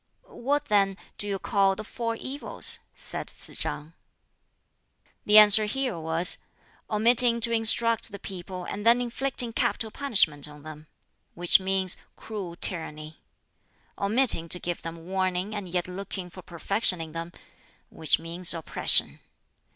"What, then, do you call the four evils?" said Tsz chang. The answer here was, "Omitting to instruct the people and then inflicting capital punishment on them which means cruel tyranny. Omitting to give them warning and yet looking for perfection in them which means oppression.